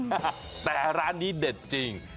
แต่ร้านนี้เด็ดจริง